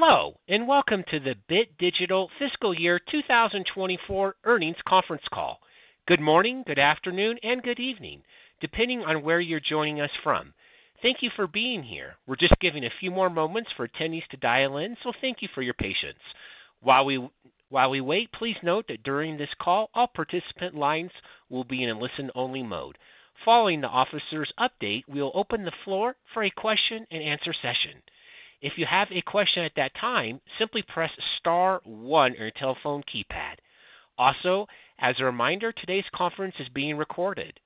Hello, and welcome to the Bit Digital Fiscal Year 2024 Earnings Conference Call. Good morning, good afternoon, and good evening, depending on where you're joining us from. Thank you for being here. We're just giving a few more moments for attendees to dial in, so thank you for your patience. While we wait, please note that during this call, all participant lines will be in a listen-only mode. Following the officer's update, we'll open the floor for a question-and-answer session. If you have a question at that time, simply press star one on your telephone keypad. Also, as a reminder, today's conference is being recorded.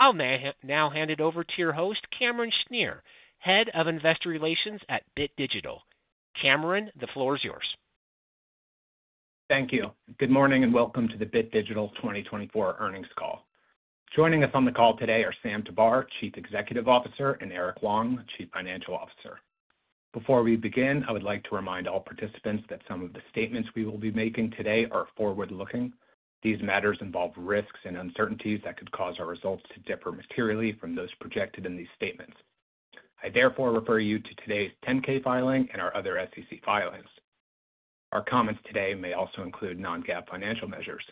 I'll now hand it over to your host, Cameron Schnier, Head of Investor Relations at Bit Digital. Cameron, the floor is yours. Thank you. Good morning and welcome to the Bit Digital 2024 earnings call. Joining us on the call today are Sam Tabar, Chief Executive Officer, and Erke Huang, Chief Financial Officer. Before we begin, I would like to remind all participants that some of the statements we will be making today are forward-looking. These matters involve risks and uncertainties that could cause our results to differ materially from those projected in these statements. I therefore refer you to today's 10-K filing and our other SEC filings. Our comments today may also include non-GAAP financial measures.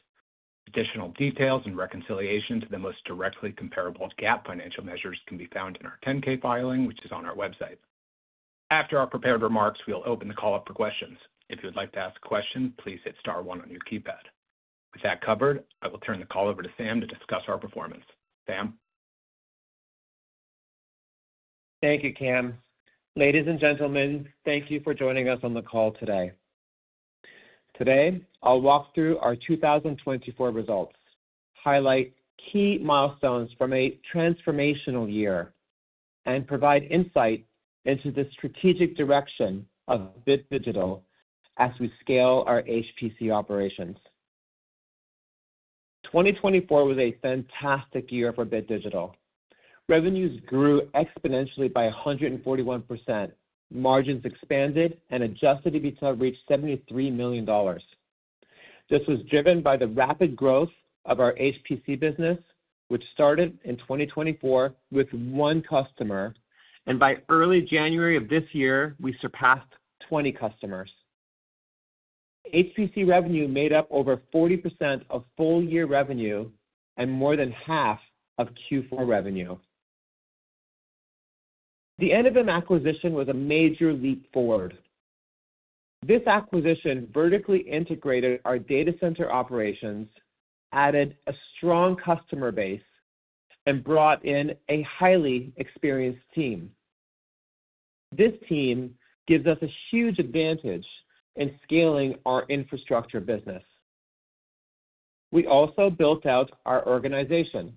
Additional details and reconciliation to the most directly comparable GAAP financial measures can be found in our 10-K filing, which is on our website. After our prepared remarks, we'll open the call up for questions. If you would like to ask a question, please hit star one on your keypad. With that covered, I will turn the call over to Sam to discuss our performance. Sam. Thank you, Cam. Ladies and gentlemen, thank you for joining us on the call today. Today, I'll walk through our 2024 results, highlight key milestones from a transformational year, and provide insight into the strategic direction of Bit Digital as we scale our HPC operations. 2024 was a fantastic year for Bit Digital. Revenues grew exponentially by 141%, margins expanded, and adjusted EBITDA reached $73 million. This was driven by the rapid growth of our HPC business, which started in 2024 with one customer, and by early January of this year, we surpassed 20 customers. HPC revenue made up over 40% of full-year revenue and more than half of Q4 revenue. The Enovum acquisition was a major leap forward. This acquisition vertically integrated our data center operations, added a strong customer base, and brought in a highly experienced team. This team gives us a huge advantage in scaling our infrastructure business. We also built out our organization.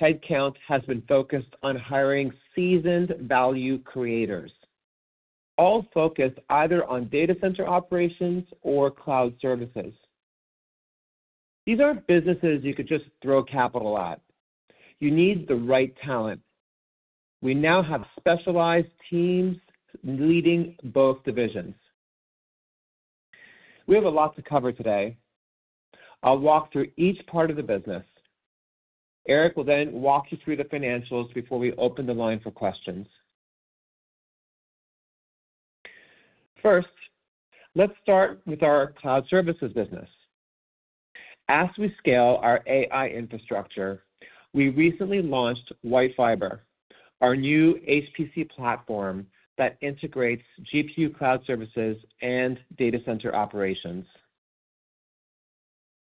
Headcount has been focused on hiring seasoned value creators, all focused either on data center operations or cloud services. These aren't businesses you could just throw capital at. You need the right talent. We now have specialized teams leading both divisions. We have a lot to cover today. I'll walk through each part of the business. Erke will then walk you through the financials before we open the line for questions. First, let's start with our cloud services business. As we scale our AI infrastructure, we recently launched WhiteFiber, our new HPC platform that integrates GPU cloud services and data center operations.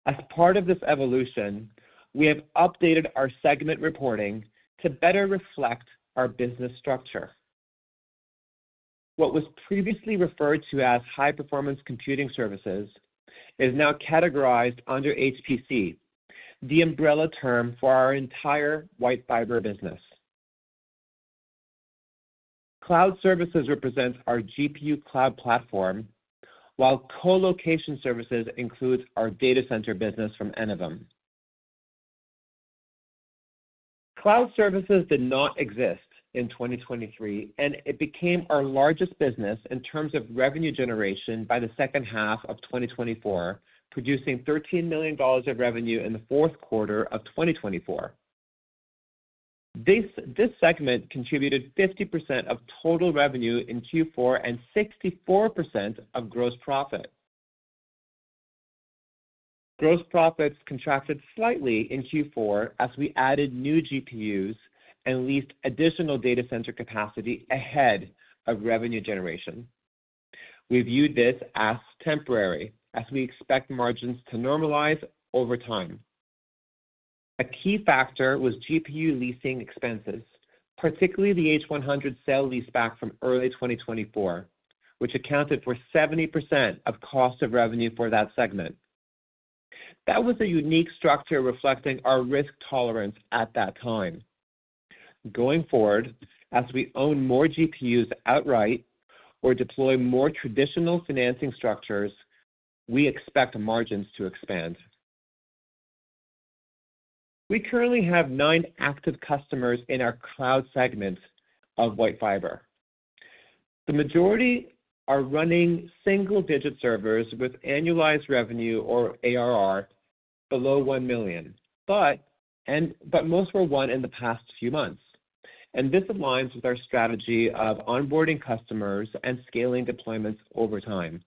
As part of this evolution, we have updated our segment reporting to better reflect our business structure. What was previously referred to as high-performance computing services is now categorized under HPC, the umbrella term for our entire WhiteFiber business. Cloud services represent our GPU cloud platform, while colocation services include our data center business from Enovum. Cloud services did not exist in 2023, and it became our largest business in terms of revenue generation by the second half of 2024, producing $13 million of revenue in the fourth quarter of 2024. This segment contributed 50% of total revenue in Q4 and 64% of gross profit. Gross profits contracted slightly in Q4 as we added new GPUs and leased additional data center capacity ahead of revenue generation. We viewed this as temporary as we expect margins to normalize over time. A key factor was GPU leasing expenses, particularly the H100 sale-leaseback from early 2024, which accounted for 70% of cost of revenue for that segment. That was a unique structure reflecting our risk tolerance at that time. Going forward, as we own more GPUs outright or deploy more traditional financing structures, we expect margins to expand. We currently have nine active customers in our cloud segment of WhiteFiber. The majority are running single-digit servers with annualized revenue, or ARR, below $1 million, but most were won in the past few months. This aligns with our strategy of onboarding customers and scaling deployments over time.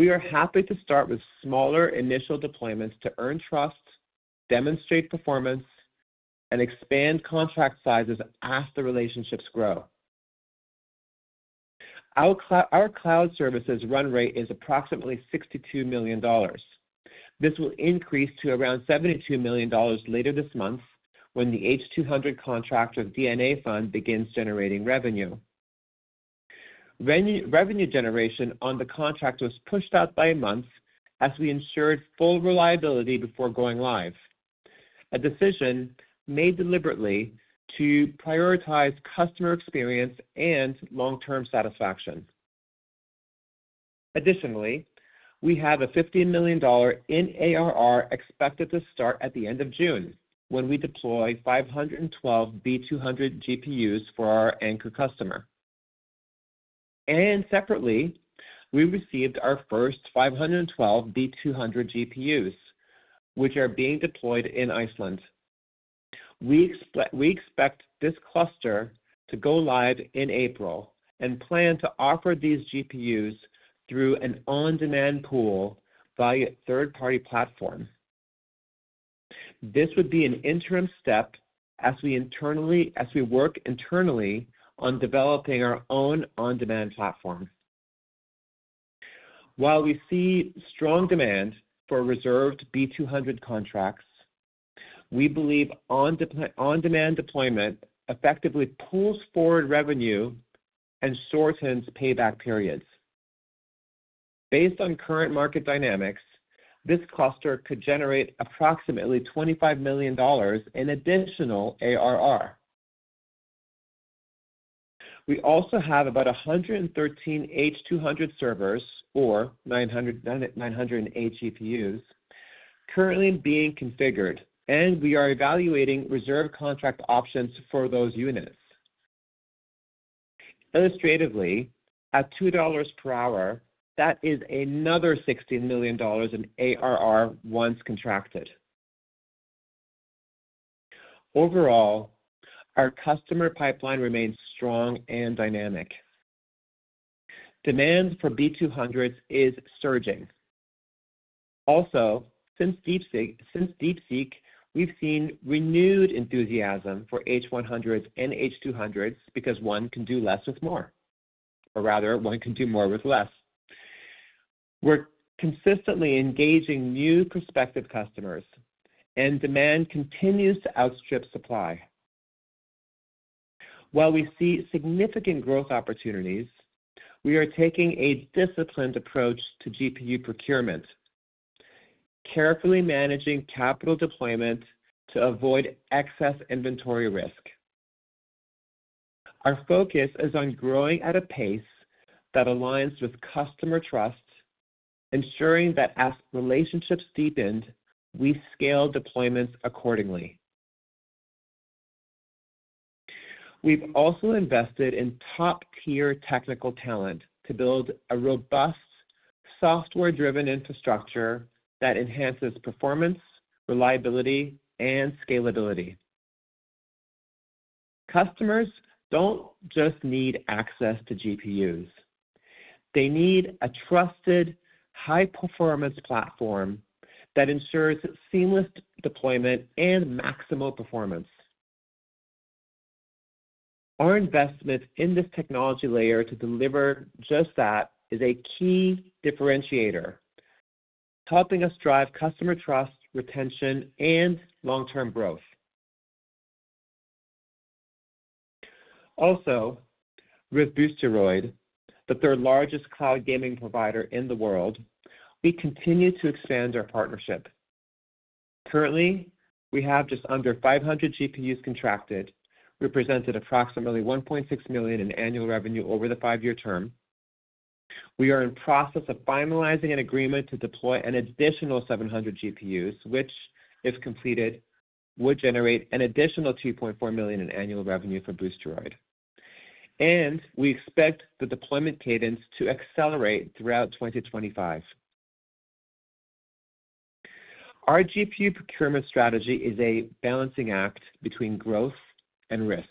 We are happy to start with smaller initial deployments to earn trust, demonstrate performance, and expand contract sizes as the relationships grow. Our cloud services run rate is approximately $62 million. This will increase to around $72 million later this month when the H200 contract with DNA Fund begins generating revenue. Revenue generation on the contract was pushed out by a month as we ensured full reliability before going live, a decision made deliberately to prioritize customer experience and long-term satisfaction. Additionally, we have $15 million in ARR expected to start at the end of June when we deploy 512 B200 GPUs for our anchor customer. Separately, we received our first 512 B200 GPUs, which are being deployed in Iceland. We expect this cluster to go live in April and plan to offer these GPUs through an on-demand pool via a third-party platform. This would be an interim step as we work internally on developing our own on-demand platform. While we see strong demand for reserved B200 contracts, we believe on-demand deployment effectively pulls forward revenue and shortens payback periods. Based on current market dynamics, this cluster could generate approximately $25 million in additional ARR. We also have about 113 H200 servers, or 908 GPUs, currently being configured, and we are evaluating reserve contract options for those units. Illustratively, at $2 per hour, that is another $16 million in ARR once contracted. Overall, our customer pipeline remains strong and dynamic. Demand for B200s is surging. Also, since DeepSeek, we've seen renewed enthusiasm for H100s and H200s because one can do less with more, or rather, one can do more with less. We're consistently engaging new prospective customers, and demand continues to outstrip supply. While we see significant growth opportunities, we are taking a disciplined approach to GPU procurement, carefully managing capital deployment to avoid excess inventory risk. Our focus is on growing at a pace that aligns with customer trust, ensuring that as relationships deepen, we scale deployments accordingly. We've also invested in top-tier technical talent to build a robust software-driven infrastructure that enhances performance, reliability, and scalability. Customers do not just need access to GPUs. They need a trusted, high-performance platform that ensures seamless deployment and maximal performance. Our investment in this technology layer to deliver just that is a key differentiator, helping us drive customer trust, retention, and long-term growth. Also, with Boosteroid, the third largest cloud gaming provider in the world, we continue to expand our partnership. Currently, we have just under 500 GPUs contracted, representing approximately $1.6 million in annual revenue over the five-year term. We are in the process of finalizing an agreement to deploy an additional 700 GPUs, which, if completed, would generate an additional $2.4 million in annual revenue for Boosteroid. We expect the deployment cadence to accelerate throughout 2025. Our GPU procurement strategy is a balancing act between growth and risk.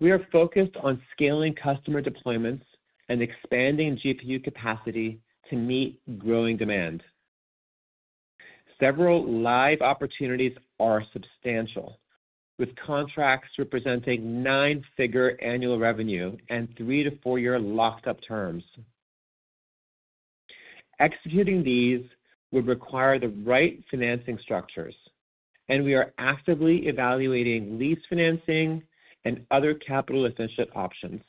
We are focused on scaling customer deployments and expanding GPU capacity to meet growing demand. Several live opportunities are substantial, with contracts representing nine-figure annual revenue and three- to four-year locked-up terms. Executing these would require the right financing structures, and we are actively evaluating lease financing and other capital-efficient options.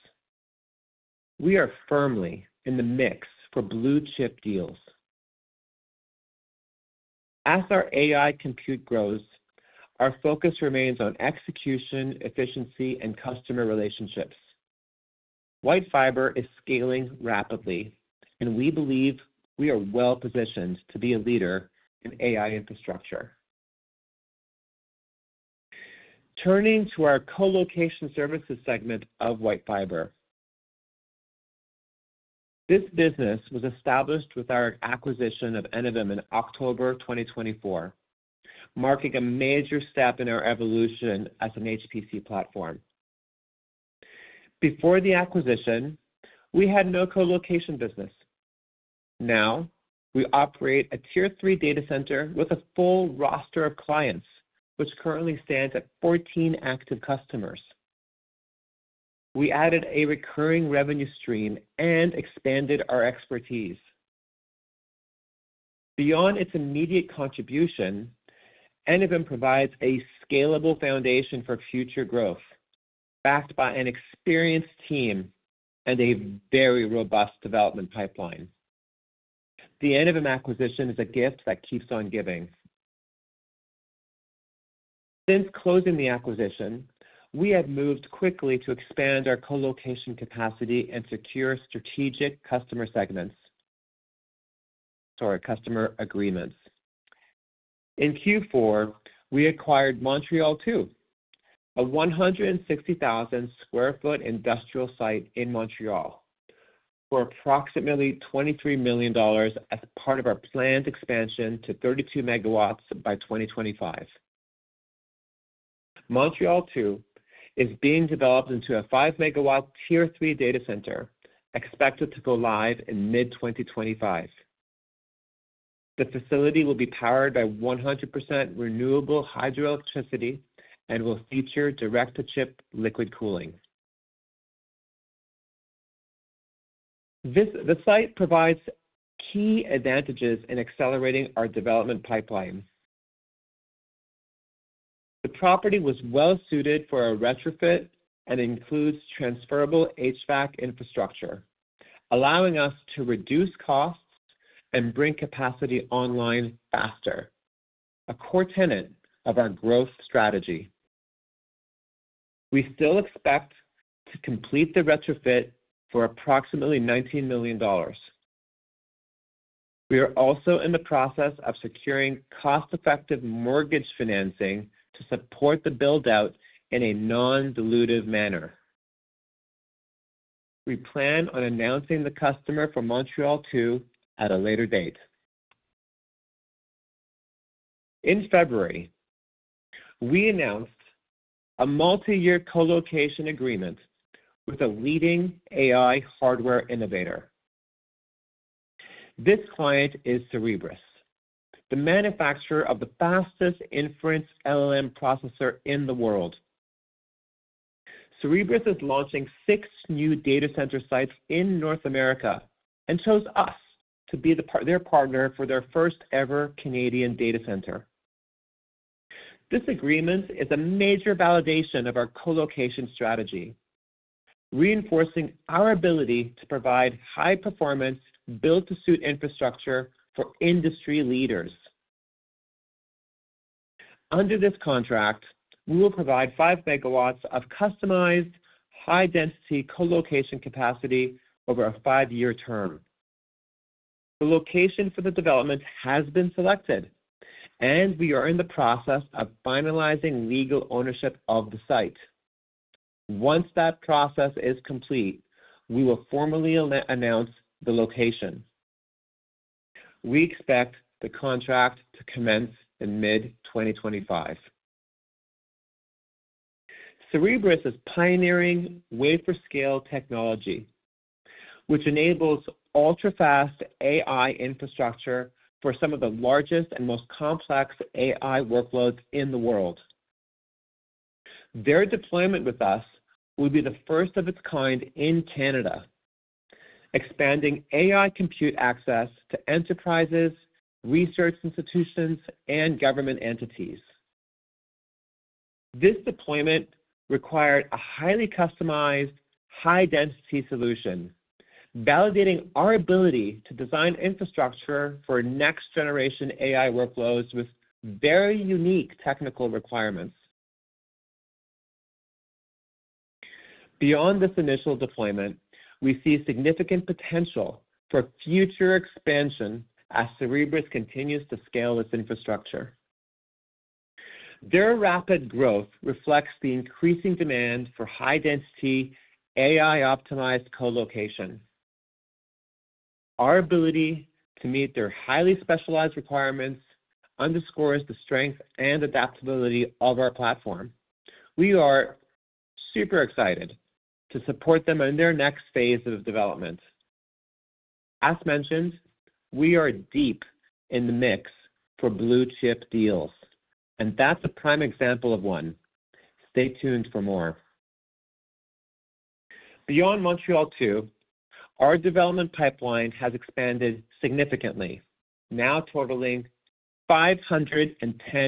We are firmly in the mix for blue-chip deals. As our AI compute grows, our focus remains on execution, efficiency, and customer relationships. WhiteFiber is scaling rapidly, and we believe we are well-positioned to be a leader in AI infrastructure. Turning to our colocation services segment of WhiteFiber, this business was established with our acquisition of Enovum in October 2024, marking a major step in our evolution as an HPC platform. Before the acquisition, we had no colocation business. Now, we operate a tier-three data center with a full roster of clients, which currently stands at 14 active customers. We added a recurring revenue stream and expanded our expertise. Beyond its immediate contribution, Enovum provides a scalable foundation for future growth, backed by an experienced team and a very robust development pipeline. The Enovum acquisition is a gift that keeps on giving. Since closing the acquisition, we have moved quickly to expand our colocation capacity and secure strategic customer segments or customer agreements. In Q4, we acquired Montreal 2, a 160,000 sq ft industrial site in Montreal, for approximately $23 million as part of our planned expansion to 32 MW by 2025. Montreal 2 is being developed into a 5 MW tier-three data center, expected to go live in mid-2025. The facility will be powered by 100% renewable hydroelectricity and will feature direct-to-chip liquid cooling. The site provides key advantages in accelerating our development pipeline. The property was well-suited for a retrofit and includes transferable HVAC infrastructure, allowing us to reduce costs and bring capacity online faster, a core tenet of our growth strategy. We still expect to complete the retrofit for approximately $19 million. We are also in the process of securing cost-effective mortgage financing to support the build-out in a non-dilutive manner. We plan on announcing the customer for Montreal 2 at a later date. In February, we announced a multiyear colocation agreement with a leading AI hardware innovator. This client is Cerebras, the manufacturer of the fastest inference LLM processor in the world. Cerebras is launching six new data center sites in North America and chose us to be their partner for their first-ever Canadian data center. This agreement is a major validation of our colocation strategy, reinforcing our ability to provide high-performance, built-to-suit infrastructure for industry leaders. Under this contract, we will provide 5 MW of customized high-density colocation capacity over a five-year term. The location for the development has been selected, and we are in the process of finalizing legal ownership of the site. Once that process is complete, we will formally announce the location. We expect the contract to commence in mid-2025. Cerebras is pioneering wafer-scale technology, which enables ultra-fast AI infrastructure for some of the largest and most complex AI workloads in the world. Their deployment with us will be the first of its kind in Canada, expanding AI compute access to enterprises, research institutions, and government entities. This deployment required a highly customized, high-density solution, validating our ability to design infrastructure for next-generation AI workloads with very unique technical requirements. Beyond this initial deployment, we see significant potential for future expansion as Cerebras continues to scale its infrastructure. Their rapid growth reflects the increasing demand for high-density, AI-optimized colocation. Our ability to meet their highly specialized requirements underscores the strength and adaptability of our platform. We are super excited to support them in their next phase of development. As mentioned, we are deep in the mix for blue-chip deals, and that's a prime example of one. Stay tuned for more. Beyond Montreal 2, our development pipeline has expanded significantly, now totaling 510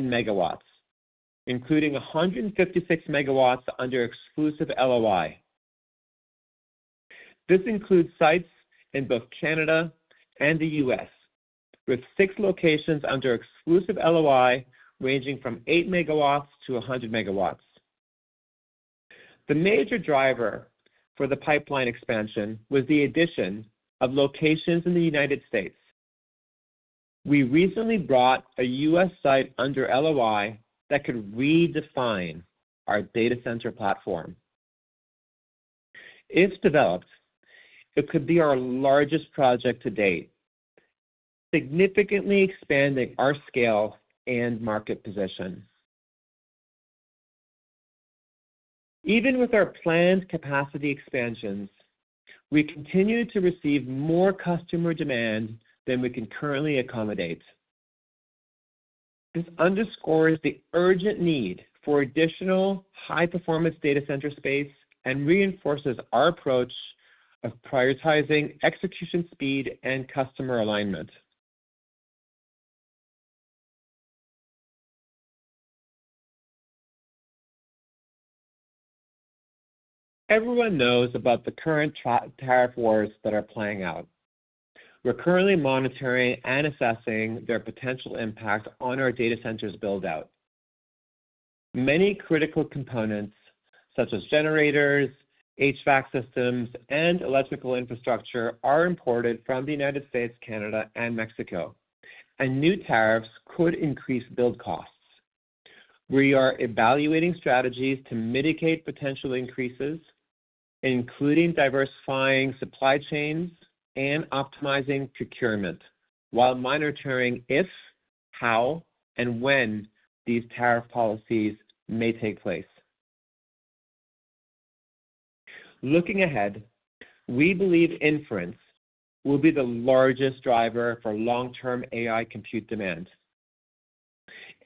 MW, including 156 MW under exclusive LOI. This includes sites in both Canada and the U.S., with six locations under exclusive LOI ranging from 8 MW to 100 MW. The major driver for the pipeline expansion was the addition of locations in the United States. We recently brought a U.S. site under LOI that could redefine our data center platform. If developed, it could be our largest project to date, significantly expanding our scale and market position. Even with our planned capacity expansions, we continue to receive more customer demand than we can currently accommodate. This underscores the urgent need for additional high-performance data center space and reinforces our approach of prioritizing execution speed and customer alignment. Everyone knows about the current tariff wars that are playing out. We're currently monitoring and assessing their potential impact on our data center's build-out. Many critical components, such as generators, HVAC systems, and electrical infrastructure, are imported from the United States, Canada, and Mexico, and new tariffs could increase build costs. We are evaluating strategies to mitigate potential increases, including diversifying supply chains and optimizing procurement, while monitoring if, how, and when these tariff policies may take place. Looking ahead, we believe inference will be the largest driver for long-term AI compute demand,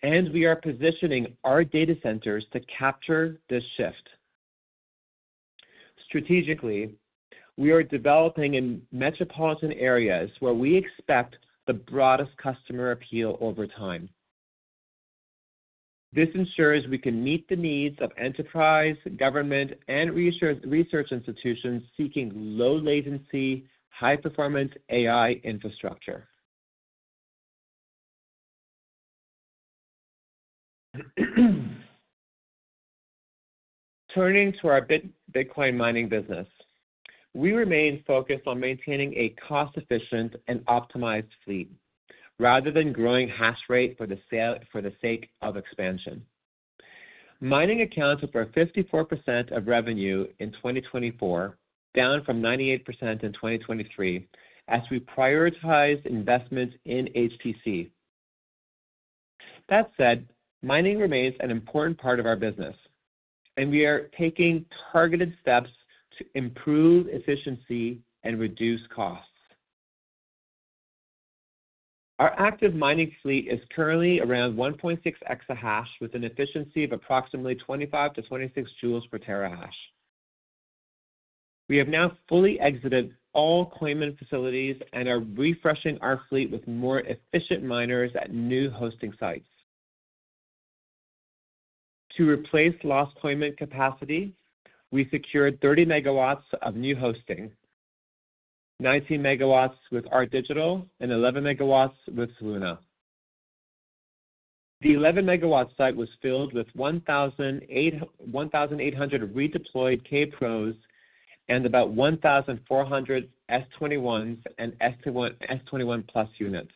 and we are positioning our data centers to capture this shift. Strategically, we are developing in metropolitan areas where we expect the broadest customer appeal over time. This ensures we can meet the needs of enterprise, government, and research institutions seeking low-latency, high-performance AI infrastructure. Turning to our Bitcoin mining business, we remain focused on maintaining a cost-efficient and optimized fleet, rather than growing hash rate for the sake of expansion. Mining accounted for 54% of revenue in 2024, down from 98% in 2023, as we prioritized investments in HPC. That said, mining remains an important part of our business, and we are taking targeted steps to improve efficiency and reduce costs. Our active mining fleet is currently around 1.6 exahash, with an efficiency of approximately 25-26 joules per terahash. We have now fully exited all claimant facilities and are refreshing our fleet with more efficient miners at new hosting sites. To replace lost claimant capacity, we secured 30 MW of new hosting, 19 MW with Arc Digital, and 11 MW with Soluna. The 11-megawatt site was filled with 1,800 redeployed K-Pros and about 1,400 S21s and S21+ units.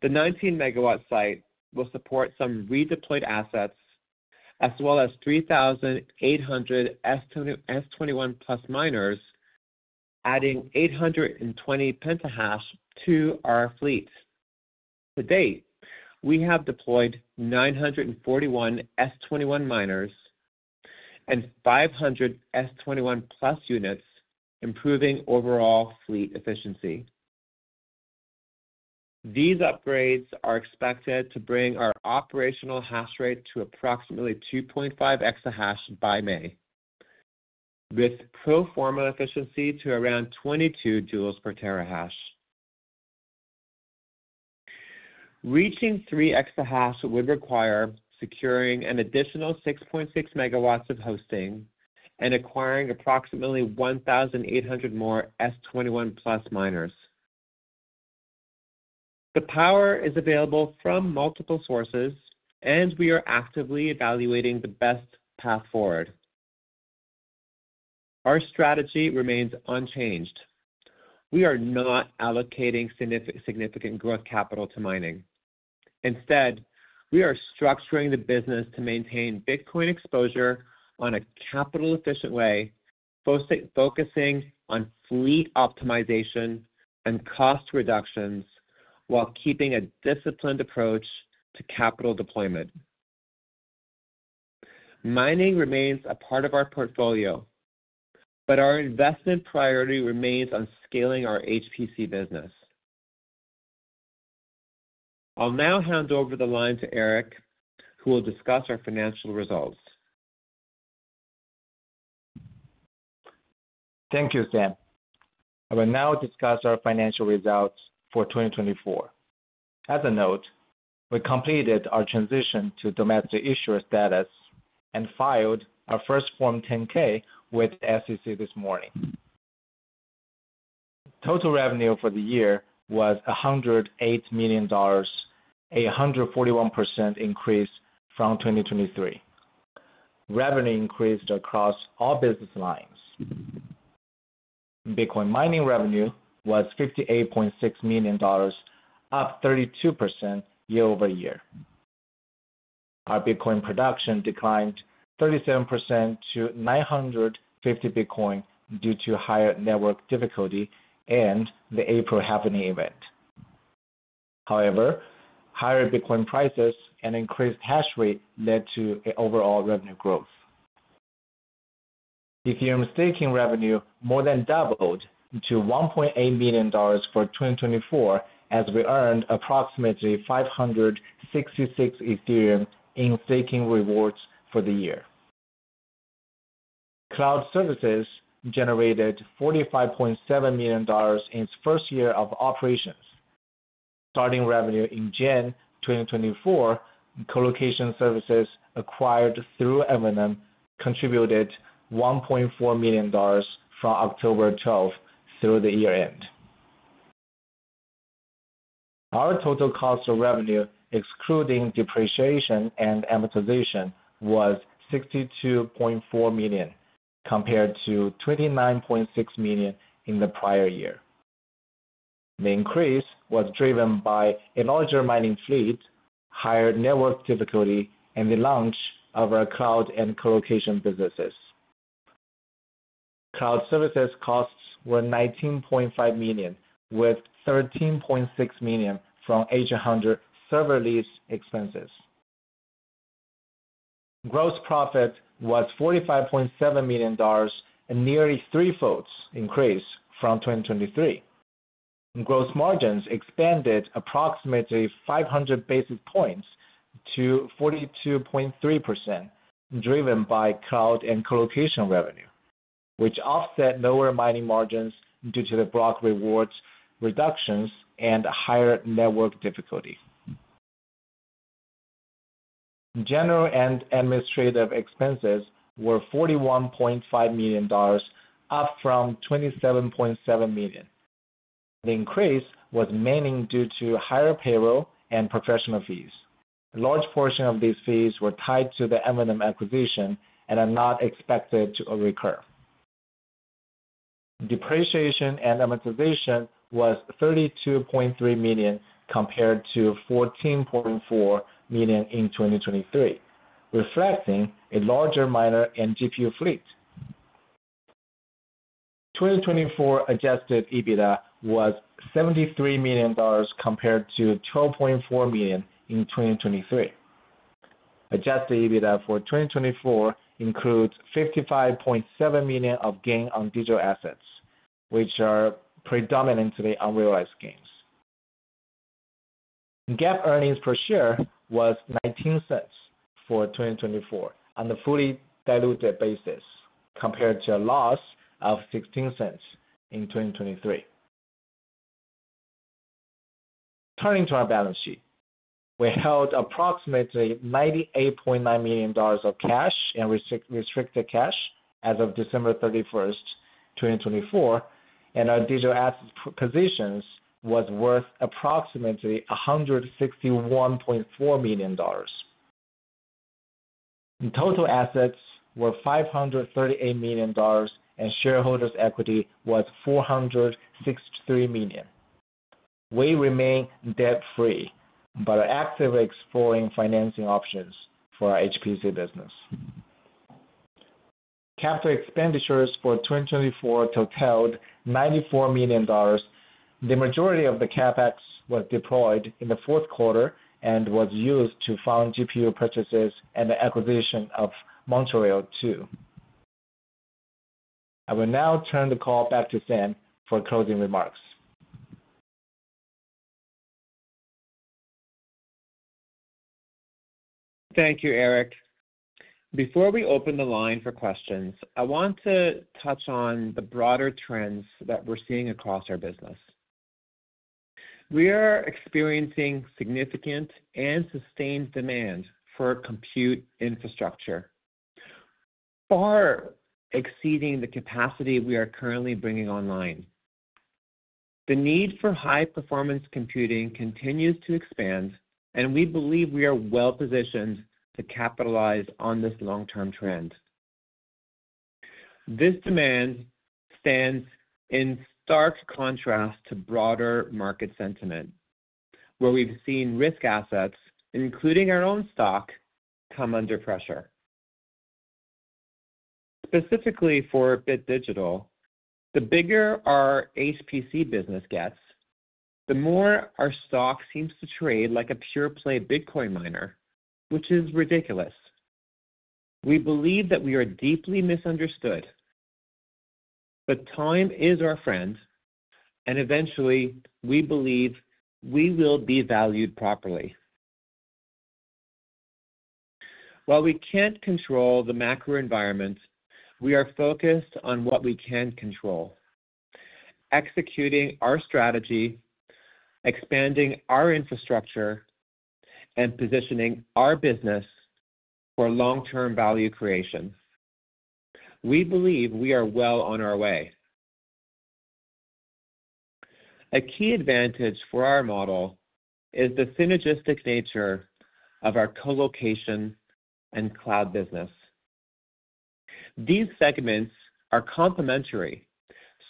The 19-megawatt site will support some redeployed assets, as well as 3,800 S21+ miners, adding 820 petahash to our fleet. To date, we have deployed 941 S21 miners and 500 S21+ units, improving overall fleet efficiency. These upgrades are expected to bring our operational hash rate to approximately 2.5 exahash by May, with pro forma efficiency to around 22 joules per terahash. Reaching 3 exahash would require securing an additional 6.6 megawatts of hosting and acquiring approximately 1,800 more S21+ miners. The power is available from multiple sources, and we are actively evaluating the best path forward. Our strategy remains unchanged. We are not allocating significant growth capital to mining. Instead, we are structuring the business to maintain Bitcoin exposure in a capital-efficient way, focusing on fleet optimization and cost reductions while keeping a disciplined approach to capital deployment. Mining remains a part of our portfolio, but our investment priority remains on scaling our HPC business. I'll now hand over the line to Erke, who will discuss our financial results. Thank you, Sam. We will now discuss our financial results for 2024. As a note, we completed our transition to domestic issuer status and filed our first Form 10-K with the SEC this morning. Total revenue for the year was $108 million, a 141% increase from 2023. Revenue increased across all business lines. Bitcoin mining revenue was $58.6 million, up 32% year-over-year. Our Bitcoin production declined 37% to 950 Bitcoin due to higher network difficulty and the April halving event. However, higher Bitcoin prices and increased hash rate led to overall revenue growth. Ethereum staking revenue more than doubled to $1.8 million for 2024, as we earned approximately 566 Ethereum in staking rewards for the year. Cloud services generated $45.7 million in its first year of operations. Starting revenue in June 2024, colocation services acquired through Enovum contributed $1.4 million from October 12 through the year-end. Our total cost of revenue, excluding depreciation and amortization, was $62.4 million, compared to $29.6 million in the prior year. The increase was driven by a larger mining fleet, higher network difficulty, and the launch of our cloud and colocation businesses. Cloud services costs were $19.5 million, with $13.6 million from H100 server lease expenses. Gross profit was $45.7 million, a nearly three-fold increase from 2023. Gross margins expanded approximately 500 basis points to 42.3%, driven by cloud and colocation revenue, which offset lower mining margins due to the block rewards reductions and higher network difficulty. General and administrative expenses were $41.5 million, up from $27.7 million. The increase was mainly due to higher payroll and professional fees. A large portion of these fees were tied to the Enovum acquisition and are not expected to recur. Depreciation and amortization was $32.3 million, compared to $14.4 million in 2023, reflecting a larger miner and GPU fleet. 2024 adjusted EBITDA was $73 million, compared to $12.4 million in 2023. Adjusted EBITDA for 2024 includes $55.7 million of gain on digital assets, which are predominantly unrealized gains. GAAP earnings per share was $0.19 for 2024 on a fully diluted basis, compared to a loss of $0.16 in 2023. Turning to our balance sheet, we held approximately $98.9 million of cash and restricted cash as of December 31, 2024, and our digital assets positions were worth approximately $161.4 million. Total assets were $538 million, and shareholders' equity was $463 million. We remain debt-free but are actively exploring financing options for our HPC business. Capital expenditures for 2024 totaled $94 million. The majority of the CapEx was deployed in the fourth quarter and was used to fund GPU purchases and the acquisition of Montreal 2. I will now turn the call back to Sam for closing remarks. Thank you, Erke. Before we open the line for questions, I want to touch on the broader trends that we're seeing across our business. We are experiencing significant and sustained demand for compute infrastructure, far exceeding the capacity we are currently bringing online. The need for high-performance computing continues to expand, and we believe we are well-positioned to capitalize on this long-term trend. This demand stands in stark contrast to broader market sentiment, where we've seen risk assets, including our own stock, come under pressure. Specifically for Bit Digital, the bigger our HPC business gets, the more our stock seems to trade like a pure-play Bitcoin miner, which is ridiculous. We believe that we are deeply misunderstood, but time is our friend, and eventually, we believe we will be valued properly. While we can't control the macro environment, we are focused on what we can control: executing our strategy, expanding our infrastructure, and positioning our business for long-term value creation. We believe we are well on our way. A key advantage for our model is the synergistic nature of our colocation and cloud business. These segments are complementary,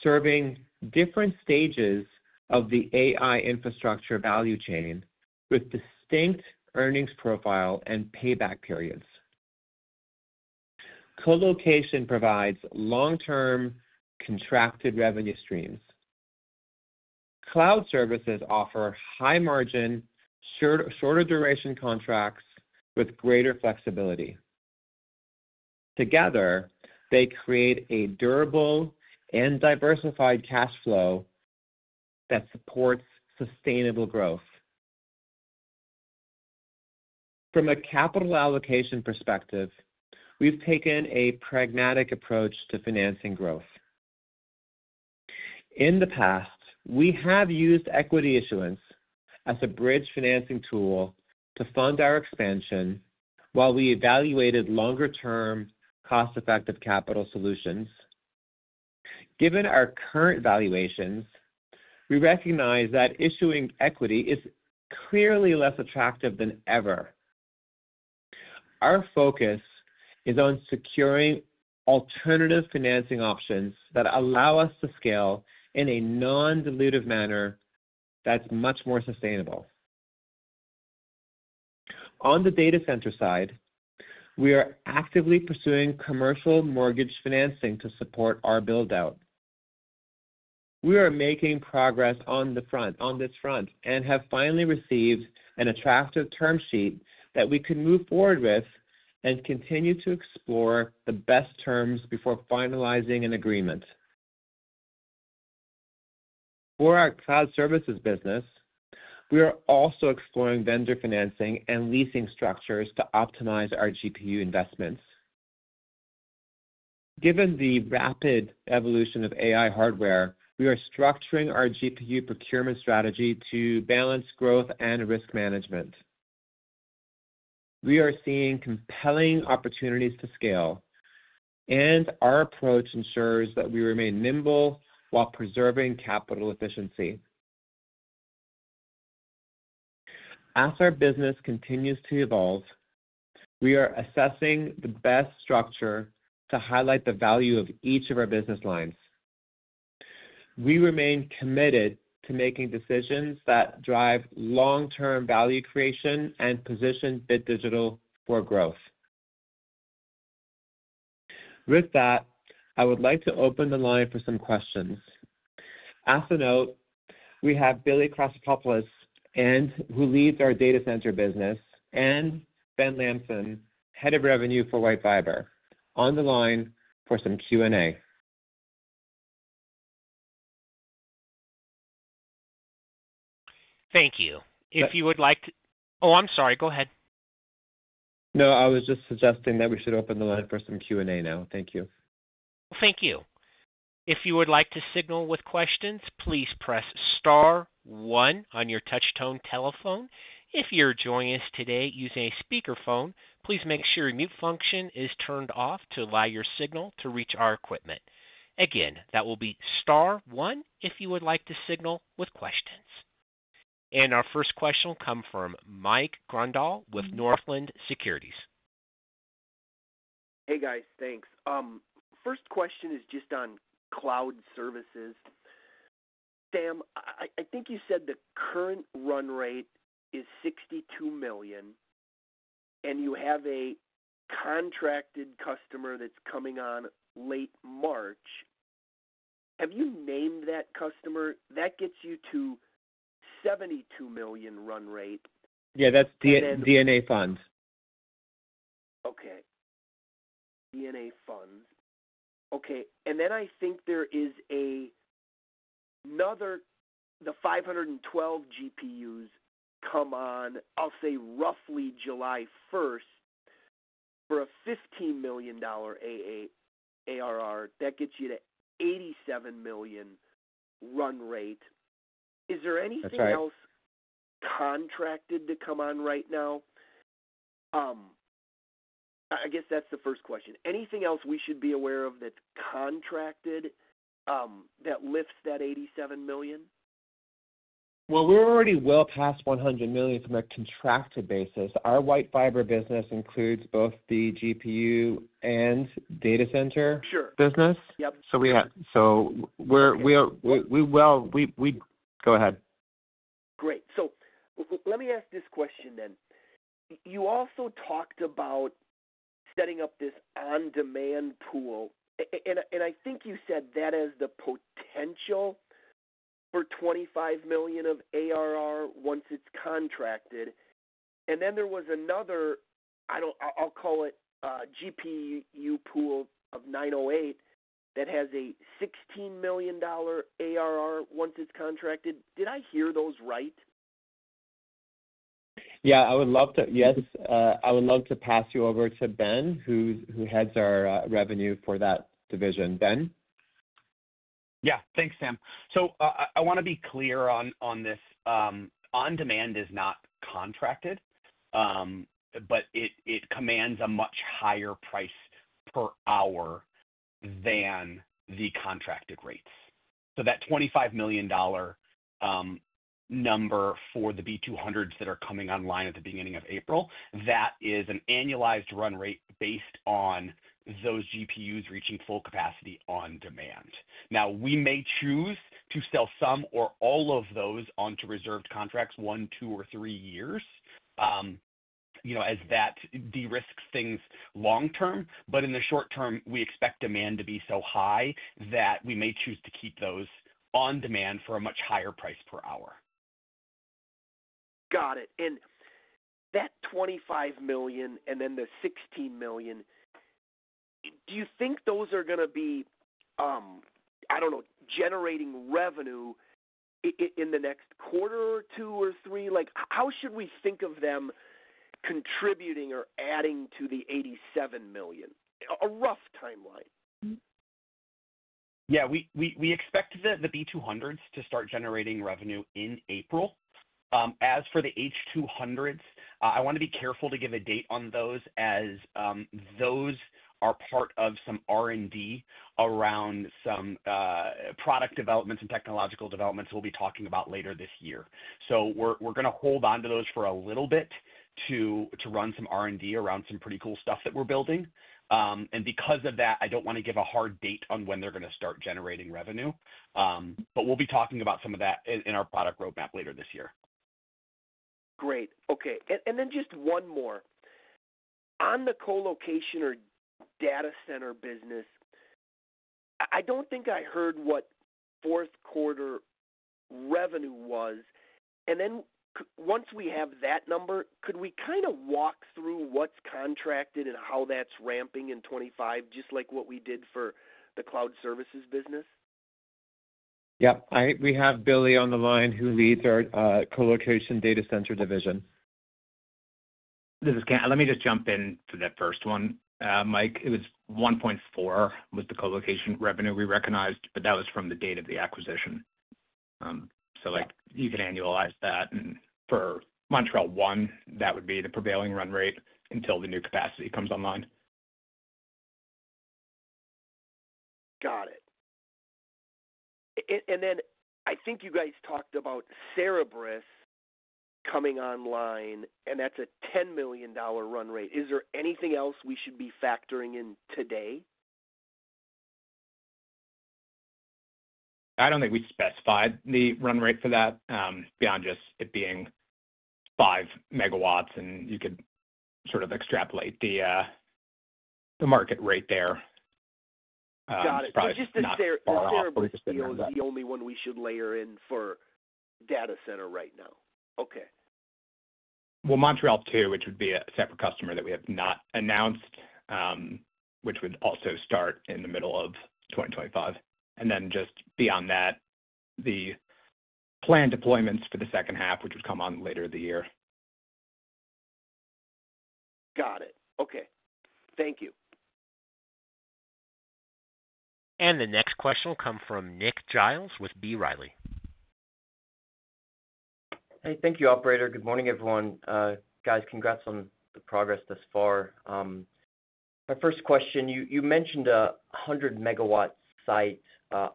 serving different stages of the AI infrastructure value chain with distinct earnings profile and payback periods. colocation provides long-term contracted revenue streams. Cloud services offer high-margin, shorter-duration contracts with greater flexibility. Together, they create a durable and diversified cash flow that supports sustainable growth. From a capital allocation perspective, we've taken a pragmatic approach to financing growth. In the past, we have used equity issuance as a bridge financing tool to fund our expansion while we evaluated longer-term cost-effective capital solutions. Given our current valuations, we recognize that issuing equity is clearly less attractive than ever. Our focus is on securing alternative financing options that allow us to scale in a non-dilutive manner that's much more sustainable. On the data center side, we are actively pursuing commercial mortgage financing to support our build-out. We are making progress on this front and have finally received an attractive term sheet that we can move forward with and continue to explore the best terms before finalizing an agreement. For our cloud services business, we are also exploring vendor financing and leasing structures to optimize our GPU investments. Given the rapid evolution of AI hardware, we are structuring our GPU procurement strategy to balance growth and risk management. We are seeing compelling opportunities to scale, and our approach ensures that we remain nimble while preserving capital efficiency. As our business continues to evolve, we are assessing the best structure to highlight the value of each of our business lines. We remain committed to making decisions that drive long-term value creation and position Bit Digital for growth. With that, I would like to open the line for some questions. As a note, we have Billy Krassakopoulos, who leads our data center business, and Ben Lamson, head of revenue for WhiteFiber, on the line for some Q&A. Thank you. If you would like to—oh, I'm sorry. Go ahead. No, I was just suggesting that we should open the line for some Q&A now. Thank you. Thank you. If you would like to signal with questions, please press star one on your touch-tone telephone. If you're joining us today using a speakerphone, please make sure your mute function is turned off to allow your signal to reach our equipment. Again, that will be star one if you would like to signal with questions. Our first question will come from Mike Grondahl with Northland Securities. Hey, guys. Thanks. First question is just on cloud services. Sam, I think you said the current run rate is $62 million, and you have a contracted customer that's coming on late March. Have you named that customer? That gets you to $72 million run rate. Yeah, that's DNA Funds. Okay. DNA Fund. Okay. And then I think there is another—the 512 GPUs come on, I'll say, roughly July 1 for a $15 million ARR. That gets you to $87 million run rate. Is there anything else contracted to come on right now? I guess that's the first question. Anything else we should be aware of that's contracted that lifts that $87 million? We're already well past $100 million from a contracted basis. Our WhiteFiber business includes both the GPU and data center business. We are—go ahead. Great. Let me ask this question then. You also talked about setting up this on-demand pool, and I think you said that has the potential for $25 million of ARR once it is contracted. Then there was another—I will call it GPU pool of 908 that has a $16 million ARR once it is contracted. Did I hear those right? Yeah, I would love to—yes, I would love to pass you over to Ben, who heads our revenue for that division. Ben? Yeah. Thanks, Sam. I want to be clear on this. On-demand is not contracted, but it commands a much higher price per hour than the contracted rates. That $25 million number for the B200s that are coming online at the beginning of April, that is an annualized run rate based on those GPUs reaching full capacity on demand. Now, we may choose to sell some or all of those onto reserved contracts one, two, or three years as that de-risks things long term. In the short term, we expect demand to be so high that we may choose to keep those on demand for a much higher price per hour. Got it. That $25 million and then the $16 million, do you think those are going to be—I do not know—generating revenue in the next quarter or two or three? How should we think of them contributing or adding to the $87 million? A rough timeline. Yeah. We expect the B200s to start generating revenue in April. As for the H200s, I want to be careful to give a date on those as those are part of some R&D around some product developments and technological developments we will be talking about later this year. We're going to hold on to those for a little bit to run some R&D around some pretty cool stuff that we're building. Because of that, I don't want to give a hard date on when they're going to start generating revenue. We'll be talking about some of that in our product roadmap later this year. Great. Okay. Just one more. On the colocation or data center business, I don't think I heard what fourth quarter revenue was. Once we have that number, could we kind of walk through what's contracted and how that's ramping in 2025, just like what we did for the cloud services business? Yep. We have Billy on the line who leads our colocation data center division. This is Cam. Let me just jump into that first one, Mike. It was $1.4 million was the colocation revenue we recognized, but that was from the date of the acquisition. You can annualize that. For Montreal 1, that would be the prevailing run rate until the new capacity comes online. Got it. I think you guys talked about Cerebras coming online, and that's a $10 million run rate. Is there anything else we should be factoring in today? I do not think we specified the run rate for that beyond just it being 5 MW, and you could sort of extrapolate the market rate there. Got it. Just that Cerebras is the only one we should layer in for data center right now. Montreal 2, which would be a separate customer that we have not announced, would also start in the middle of 2025. And then just beyond that, the planned deployments for the second half, which would come on later in the year. Got it. Okay. Thank you. The next question will come from Nick Giles with B. Riley. Hey, thank you, Operator. Good morning, everyone. Guys, congrats on the progress thus far. My first question, you mentioned a 100 MW site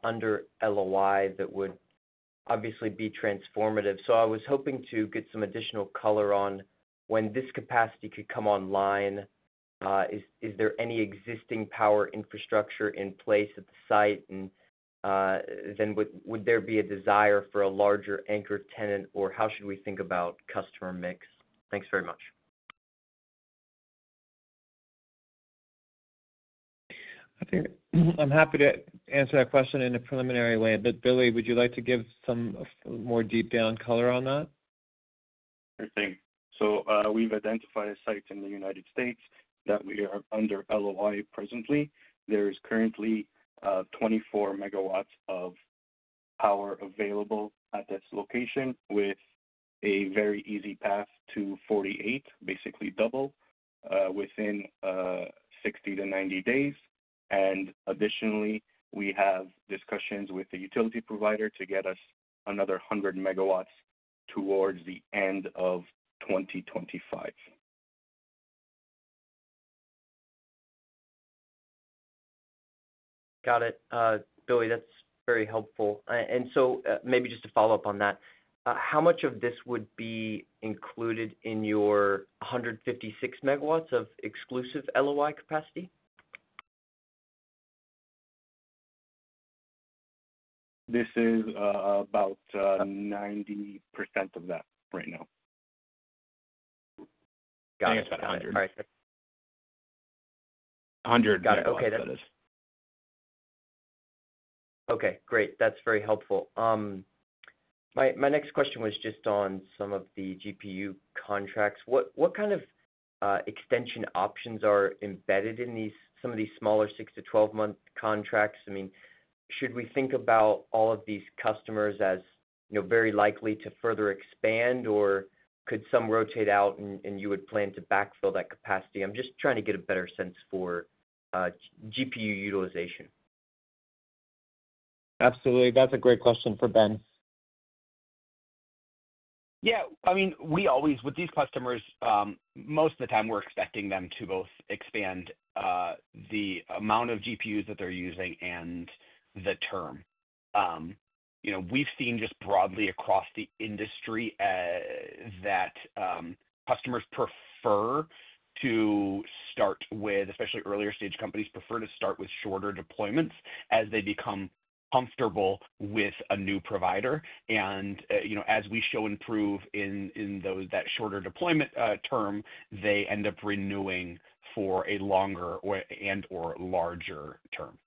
under LOI that would obviously be transformative. I was hoping to get some additional color on when this capacity could come online. Is there any existing power infrastructure in place at the site? Would there be a desire for a larger anchor tenant, or how should we think about customer mix? Thanks very much. I'm happy to answer that question in a preliminary way. Billy, would you like to give some more deep-down color on that? Sure thing. We have identified a site in the United States that we are under LOI presently. There is currently 24 MW of power available at this location with a very easy path to 48, basically double, within 60 to 90 days. Additionally, we have discussions with the utility provider to get us another 100 MW towards the end of 2025. Got it. Billy, that's very helpful. Maybe just to follow up on that, how much of this would be included in your 156 MW of exclusive LOI capacity? This is about 90% of that right now. Got it. 100 of that is. Okay. Great. That's very helpful. My next question was just on some of the GPU contracts. What kind of extension options are embedded in some of these smaller six-12-month contracts? I mean, should we think about all of these customers as very likely to further expand, or could some rotate out and you would plan to backfill that capacity? I'm just trying to get a better sense for GPU utilization. Absolutely. That's a great question for Ben. Yeah. I mean, with these customers, most of the time we're expecting them to both expand the amount of GPUs that they're using and the term. We've seen just broadly across the industry that customers prefer to start with, especially earlier-stage companies, prefer to start with shorter deployments as they become comfortable with a new provider. As we show and prove in that shorter deployment term, they end up renewing for a longer and/or larger term.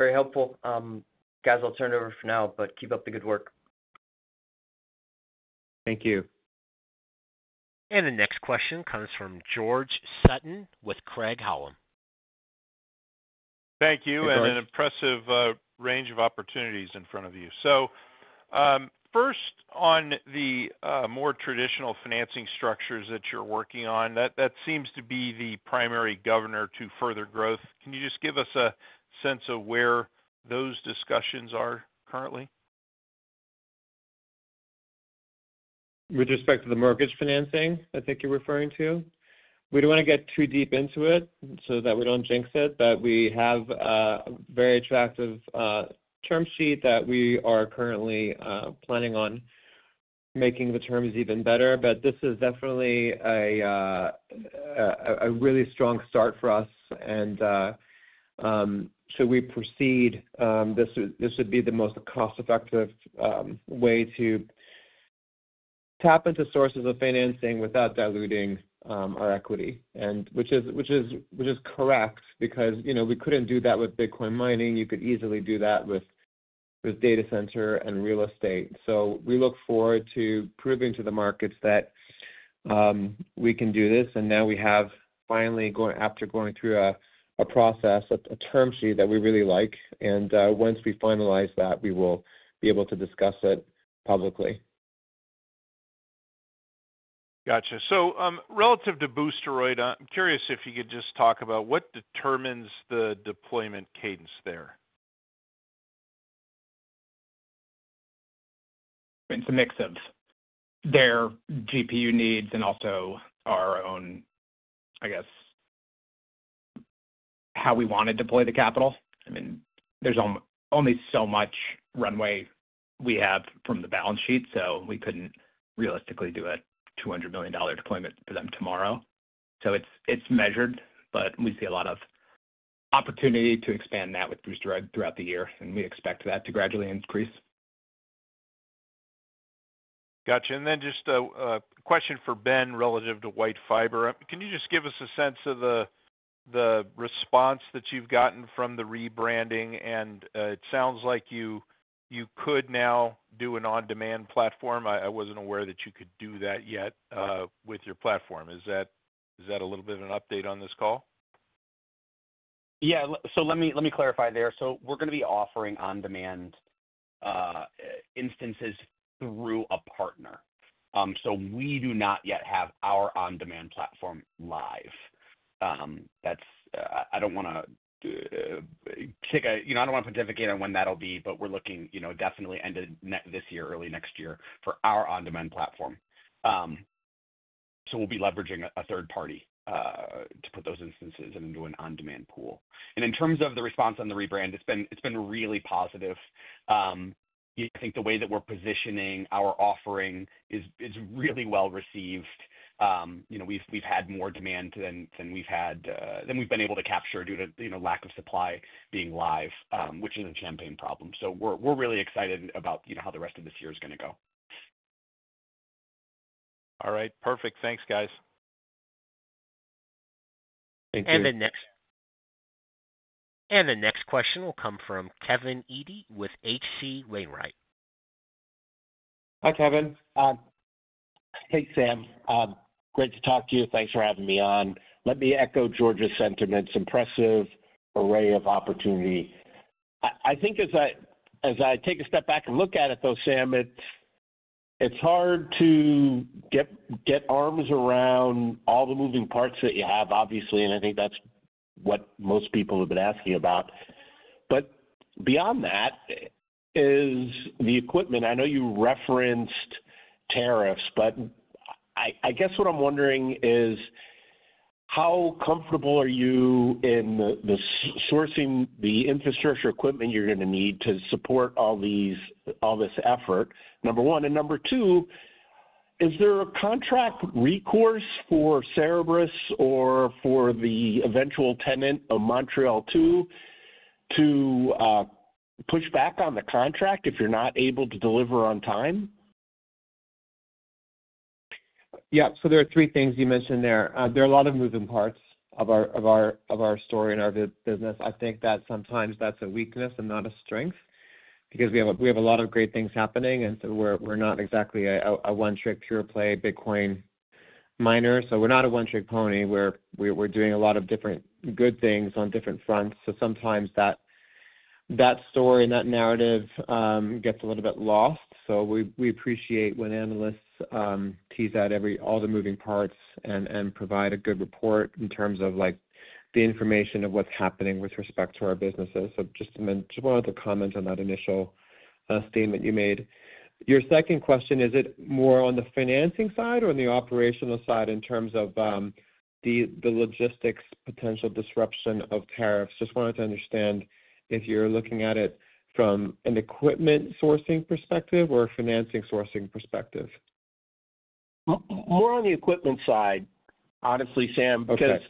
Very helpful. Guys, I'll turn it over for now, but keep up the good work. Thank you. The next question comes from George Sutton with Craig-Hallum. Thank you. An impressive range of opportunities in front of you. First, on the more traditional financing structures that you're working on, that seems to be the primary governor to further growth. Can you just give us a sense of where those discussions are currently? With respect to the mortgage financing, I think you're referring to. We don't want to get too deep into it so that we don't jinx it, but we have a very attractive term sheet that we are currently planning on making the terms even better. This is definitely a really strong start for us. Should we proceed, this would be the most cost-effective way to tap into sources of financing without diluting our equity, which is correct because we couldn't do that with Bitcoin mining. You could easily do that with data center and real estate. We look forward to proving to the markets that we can do this. We have finally, after going through a process, a term sheet that we really like. Once we finalize that, we will be able to discuss it publicly. Gotcha. Relative to Boosteroid, I'm curious if you could just talk about what determines the deployment cadence there. It's a mix of their GPU needs and also our own, I guess, how we want to deploy the capital. I mean, there's only so much runway we have from the balance sheet, so we couldn't realistically do a $200 million deployment for them tomorrow. It's measured, but we see a lot of opportunity to expand that with Boosteroid throughout the year, and we expect that to gradually increase. Gotcha. Just a question for Ben relative to WhiteFiber. Can you just give us a sense of the response that you've gotten from the rebranding? It sounds like you could now do an on-demand platform. I wasn't aware that you could do that yet with your platform. Is that a little bit of an update on this call? Yeah. Let me clarify there. We're going to be offering on-demand instances through a partner. We do not yet have our on-demand platform live. I don't want to put a definite date on when that'll be, but we're looking definitely end of this year, early next year for our on-demand platform. We'll be leveraging a third-party to put those instances into an on-demand pool. In terms of the response on the rebrand, it's been really positive. I think the way that we're positioning our offering is really well received. We've had more demand than we've been able to capture due to lack of supply being live, which is a campaign problem. We are really excited about how the rest of this year is going to go. All right. Perfect. Thanks, guys. Thank you. The next question will come from Kevin Dede with H.C. Wainwright. Hi, Kevin. Hey, Sam. Great to talk to you. Thanks for having me on. Let me echo George's sentiment. It's an impressive array of opportunity. I think as I take a step back and look at it, Sam, it's hard to get arms around all the moving parts that you have, obviously, and I think that's what most people have been asking about. Beyond that is the equipment. I know you referenced tariffs, but I guess what I'm wondering is how comfortable are you in sourcing the infrastructure equipment you're going to need to support all this effort, number one. Number two, is there a contract recourse for Cerebras or for the eventual tenant of Montreal 2 to push back on the contract if you're not able to deliver on time? Yeah. There are three things you mentioned there. There are a lot of moving parts of our story and our business. I think that sometimes that's a weakness and not a strength because we have a lot of great things happening, and we're not exactly a one-trick pure-play Bitcoin miner. We're not a one-trick pony. We're doing a lot of different good things on different fronts. Sometimes that story and that narrative gets a little bit lost. We appreciate when analysts tease out all the moving parts and provide a good report in terms of the information of what's happening with respect to our businesses. Just one other comment on that initial statement you made. Your second question, is it more on the financing side or on the operational side in terms of the logistics potential disruption of tariffs? Just wanted to understand if you're looking at it from an equipment sourcing perspective or a financing sourcing perspective. More on the equipment side, honestly, Sam, because,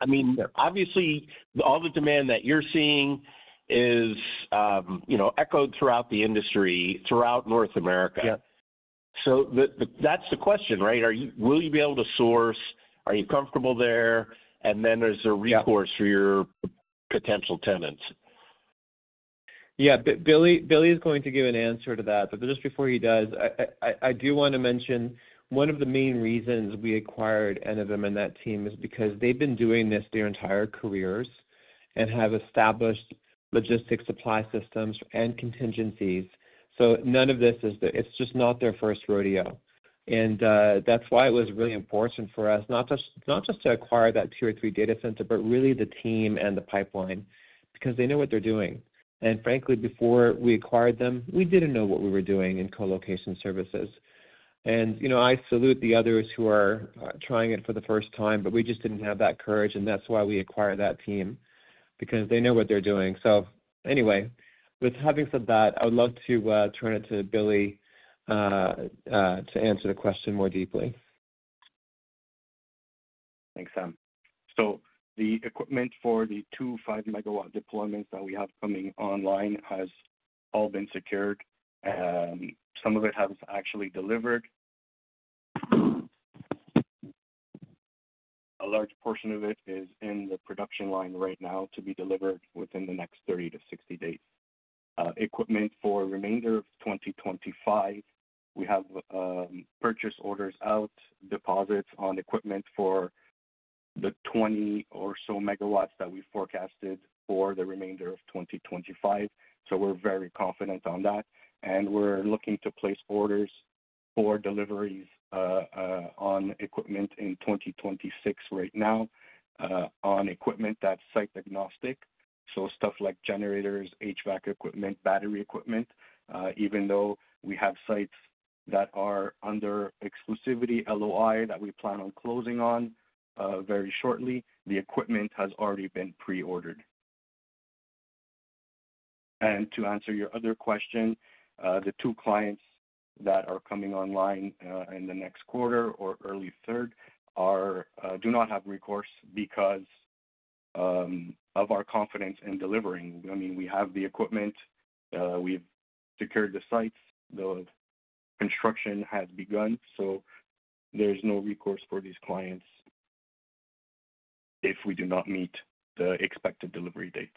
I mean, obviously, all the demand that you're seeing is echoed throughout the industry, throughout North America. That's the question, right? Will you be able to source? Are you comfortable there? Then there's a recourse for your potential tenants. Yeah. Billy is going to give an answer to that. Just before he does, I do want to mention one of the main reasons we acquired Enovum and that team is because they've been doing this their entire careers and have established logistics supply systems and contingencies. None of this is the—it's just not their first rodeo. That is why it was really important for us not just to acquire that Tier 3 data center, but really the team and the pipeline because they know what they're doing. Frankly, before we acquired them, we didn't know what we were doing in colocation services. I salute the others who are trying it for the first time, but we just didn't have that courage. That is why we acquired that team because they know what they're doing. Anyway, having said that, I would love to turn it to Billy to answer the question more deeply. Thanks, Sam. The equipment for the two 5 MW deployments that we have coming online has all been secured. Some of it has actually delivered. A large portion of it is in the production line right now to be delivered within the next 30-60 days. Equipment for the remainder of 2025, we have purchase orders out, deposits on equipment for the 20 or so megawatts that we forecasted for the remainder of 2025. We are very confident on that. We are looking to place orders for deliveries on equipment in 2026 right now on equipment that is site-agnostic. Stuff like generators, HVAC equipment, battery equipment, even though we have sites that are under exclusivity LOI that we plan on closing on very shortly, the equipment has already been pre-ordered. To answer your other question, the two clients that are coming online in the next quarter or early third do not have recourse because of our confidence in delivering. I mean, we have the equipment. We have secured the sites. The construction has begun. There is no recourse for these clients if we do not meet the expected delivery date.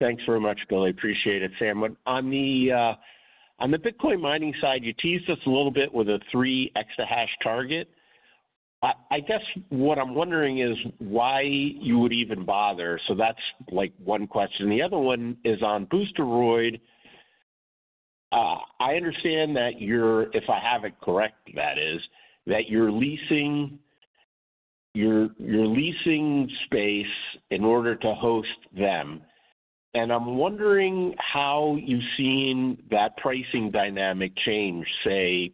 Thanks very much, Billy. Appreciate it, Sam. On the Bitcoin mining side, you teased us a little bit with a three exahash target. I guess what I am wondering is why you would even bother. That is one question. The other one is on Boosteroid. I understand that you are, if I have it correct, that is, that you are leasing space in order to host them. I am wondering how you have seen that pricing dynamic change, say,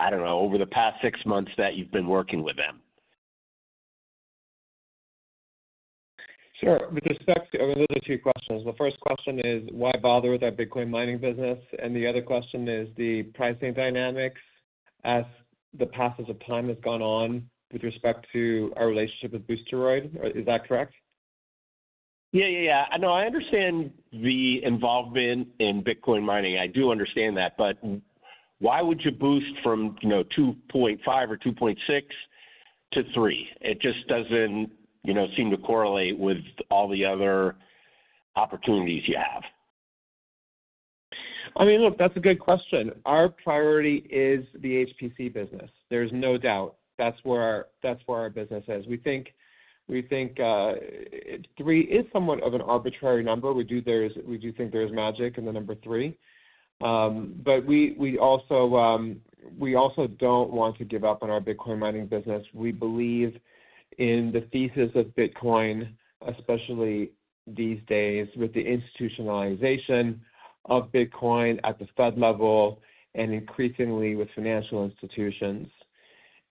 I do not know, over the past six months that you have been working with them. Sure. With respect to those two questions, the first question is, why bother with that Bitcoin mining business? The other question is the pricing dynamics as the passage of time has gone on with respect to our relationship with Boosteroid. Is that correct? Yeah, yeah, yeah. No, I understand the involvement in Bitcoin mining. I do understand that. Why would you boost from 2.5 or 2.6 to 3? It just doesn't seem to correlate with all the other opportunities you have. I mean, look, that's a good question. Our priority is the HPC business. There's no doubt. That's where our business is. We think three is somewhat of an arbitrary number. We do think there is magic in the number three. We also don't want to give up on our Bitcoin mining business. We believe in the thesis of Bitcoin, especially these days with the institutionalization of Bitcoin at the Fed level and increasingly with financial institutions.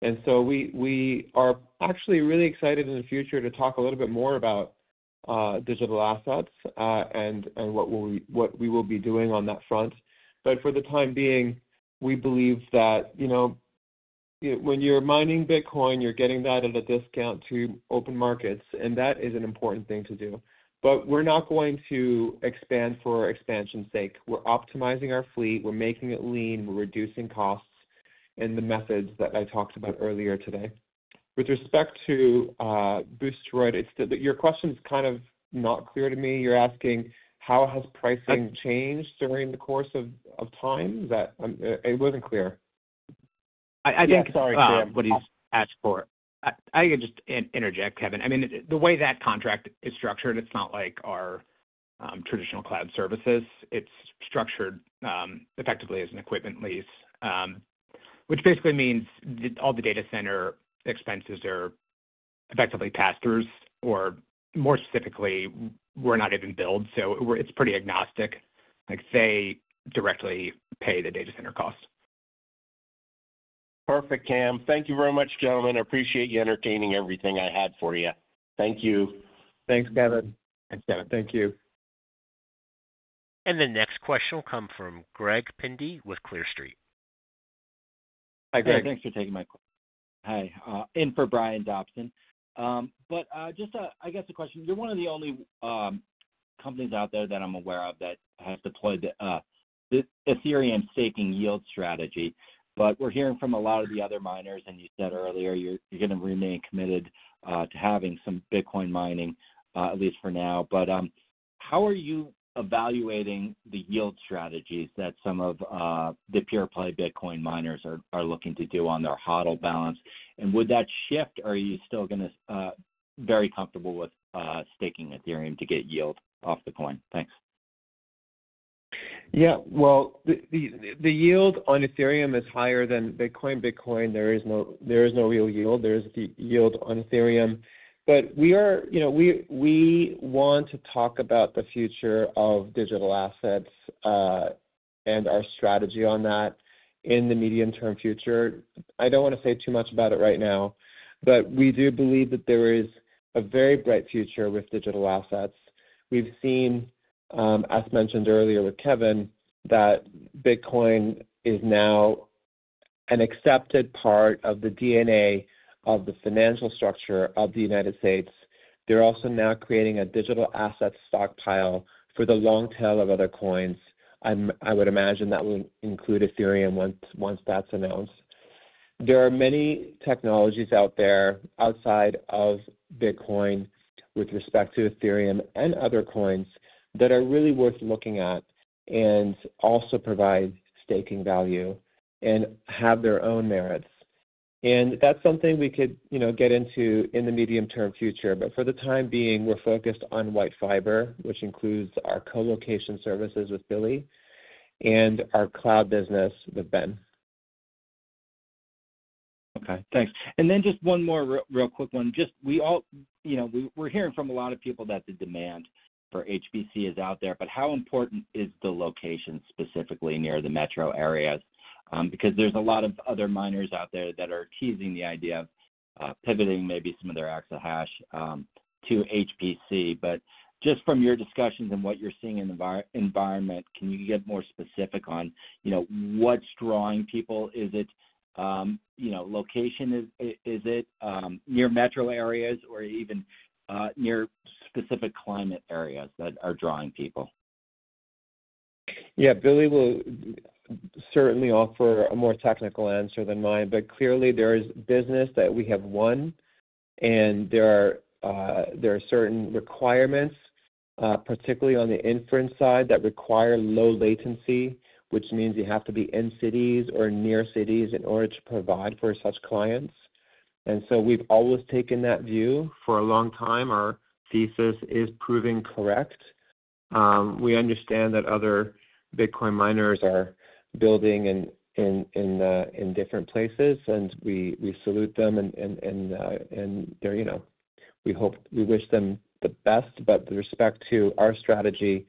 We are actually really excited in the future to talk a little bit more about digital assets and what we will be doing on that front. For the time being, we believe that when you're mining Bitcoin, you're getting that at a discount to open markets, and that is an important thing to do. We are not going to expand for expansion's sake. We're optimizing our fleet. We're making it lean. We're reducing costs and the methods that I talked about earlier today. With respect to Boosteroid, your question's kind of not clear to me. You're asking how has pricing changed during the course of time. It wasn't clear. I think. I'm sorry, Sam, what he's asked for. I can just interject, Kevin. I mean, the way that contract is structured, it's not like our traditional cloud services. It's structured effectively as an equipment lease, which basically means all the data center expenses are effectively pass-throughs or, more specifically, we're not even billed. So it's pretty agnostic. They directly pay the data center cost. Perfect, Cam. Thank you very much, gentlemen. Appreciate you entertaining everything I had for you. Thank you. Thanks, Kevin. Thanks, Kevin. Thank you. The next question will come from Greg Pendy with Clear Street. Hi, Greg. Thanks for taking my call. Hi. In for Brian Dobson. But just, I guess, a question. You're one of the only companies out there that I'm aware of that has deployed the Ethereum staking yield strategy. We're hearing from a lot of the other miners, and you said earlier you're going to remain committed to having some Bitcoin mining, at least for now. How are you evaluating the yield strategies that some of the pure-play Bitcoin miners are looking to do on their HODL balance? Would that shift, or are you still going to be very comfortable with staking Ethereum to get yield off the coin? Thanks. Yeah. The yield on Ethereum is higher than Bitcoin. Bitcoin, there is no real yield. There is the yield on Ethereum. We want to talk about the future of digital assets and our strategy on that in the medium-term future. I don't want to say too much about it right now, but we do believe that there is a very bright future with digital assets. We've seen, as mentioned earlier with Kevin, that Bitcoin is now an accepted part of the DNA of the financial structure of the United States. They're also now creating a digital asset stockpile for the long tail of other coins. I would imagine that will include Ethereum once that's announced. There are many technologies out there outside of Bitcoin with respect to Ethereum and other coins that are really worth looking at and also provide staking value and have their own merits. That is something we could get into in the medium-term future. For the time being, we're focused on WhiteFiber, which includes our colocation services with Billy and our cloud business with Ben. Okay. Thanks. Just one more real quick one. We're hearing from a lot of people that the demand for HPC is out there. How important is the location specifically near the metro areas? There's a lot of other miners out there that are teasing the idea of pivoting maybe some of their extra hash to HPC. Just from your discussions and what you're seeing in the environment, can you get more specific on what's drawing people? Is it location? Is it near metro areas or even near specific climate areas that are drawing people? Yeah. Billy will certainly offer a more technical answer than mine. Clearly, there is business that we have won, and there are certain requirements, particularly on the inference side, that require low latency, which means you have to be in cities or near cities in order to provide for such clients. We've always taken that view for a long time. Our thesis is proving correct. We understand that other Bitcoin miners are building in different places, and we salute them. We wish them the best. With respect to our strategy,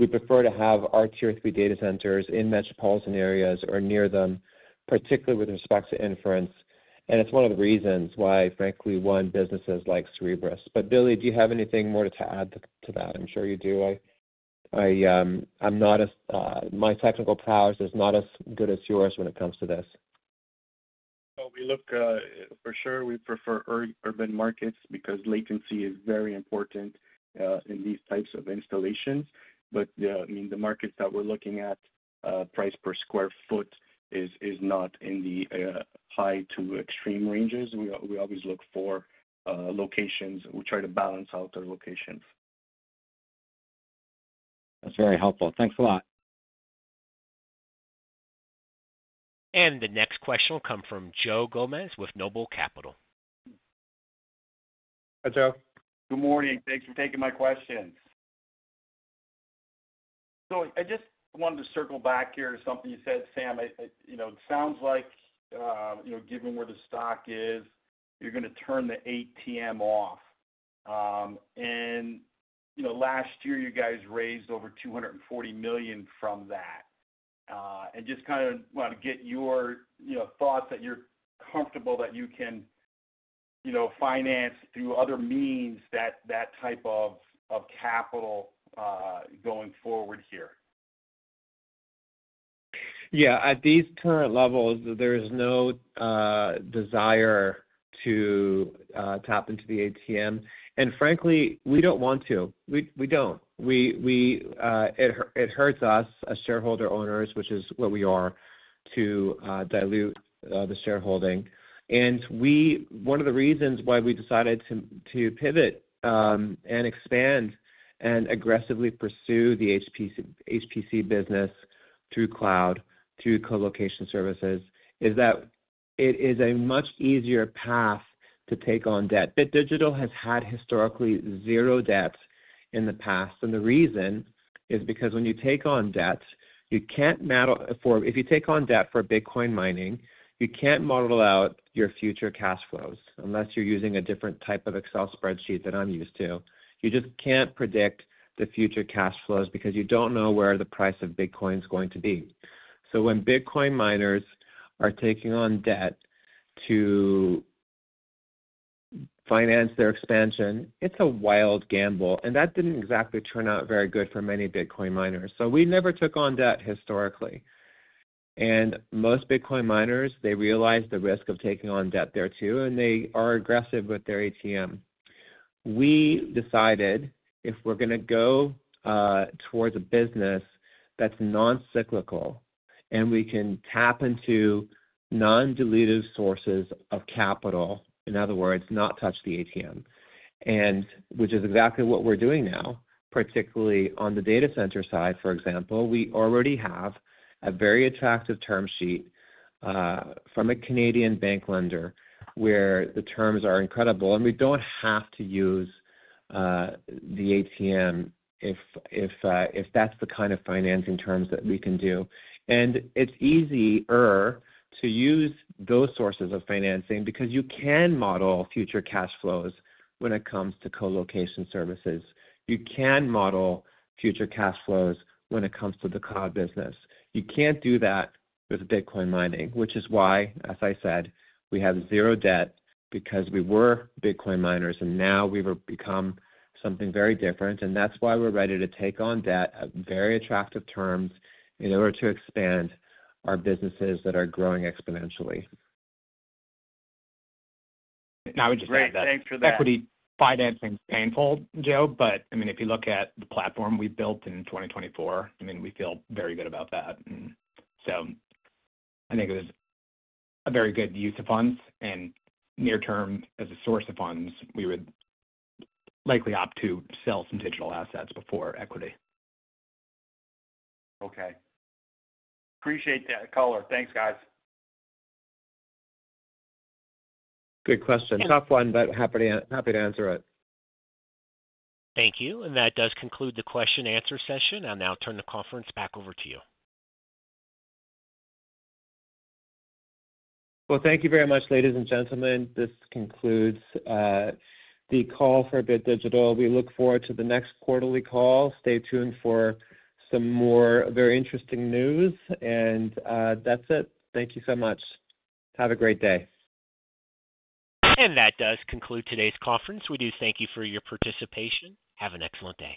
we prefer to have our tier-three data centers in metropolitan areas or near them, particularly with respect to inference. It is one of the reasons why, frankly, we won businesses like Cerebras. Billy, do you have anything more to add to that? I'm sure you do. My technical prowess is not as good as yours when it comes to this. For sure, we prefer urban markets because latency is very important in these types of installations. I mean, the markets that we're looking at, price per square foot is not in the high to extreme ranges. We always look for locations. We try to balance out the locations. That's very helpful. Thanks a lot. The next question will come from Joe Gomez with Noble Capital. Hi, Joe. Good morning. Thanks for taking my questions. I just wanted to circle back here to something you said, Sam. It sounds like, given where the stock is, you're going to turn the ATM off. Last year, you guys raised over $240 million from that. I just kind of want to get your thoughts that you're comfortable that you can finance through other means that type of capital going forward here. Yeah. At these current levels, there is no desire to tap into the ATM. Frankly, we don't want to. We don't. It hurts us as shareholder owners, which is what we are, to dilute the shareholding. One of the reasons why we decided to pivot and expand and aggressively pursue the HPC business through cloud, through colocation services, is that it is a much easier path to take on debt. Bit Digital has had historically zero debt in the past. The reason is because when you take on debt, you can't model for if you take on debt for Bitcoin mining, you can't model out your future cash flows unless you're using a different type of Excel spreadsheet than I'm used to. You just can't predict the future cash flows because you don't know where the price of Bitcoin is going to be. When Bitcoin miners are taking on debt to finance their expansion, it's a wild gamble. That didn't exactly turn out very good for many Bitcoin miners. We never took on debt historically. Most Bitcoin miners, they realize the risk of taking on debt there too, and they are aggressive with their ATM. We decided if we're going to go towards a business that's non-cyclical and we can tap into non-dilutive sources of capital, in other words, not touch the ATM, which is exactly what we're doing now, particularly on the data center side, for example. We already have a very attractive term sheet from a Canadian bank lender where the terms are incredible. We don't have to use the ATM if that's the kind of financing terms that we can do. It's easier to use those sources of financing because you can model future cash flows when it comes to colocation services. You can model future cash flows when it comes to the cloud business. You can't do that with Bitcoin mining, which is why, as I said, we have zero debt because we were Bitcoin miners, and now we've become something very different. That is why we're ready to take on debt at very attractive terms in order to expand our businesses that are growing exponentially. I would just say that equity financing is painful, Joe. I mean, if you look at the platform we built in 2024, I mean, we feel very good about that. I think it was a very good use of funds. Near-term, as a source of funds, we would likely opt to sell some digital assets before equity. Okay. Appreciate that color. Thanks, guys. Good question. Tough one, but happy to answer it. Thank you. That does conclude the question-and-answer session. I'll now turn the conference back over to you. Thank you very much, ladies and gentlemen. This concludes the call for Bit Digital. We look forward to the next quarterly call. Stay tuned for some more very interesting news. That is it. Thank you so much. Have a great day. That does conclude today's conference. We thank you for your participation. Have an excellent day.